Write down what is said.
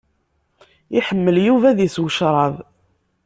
Iḥemmel Yuba ad isew ccrab.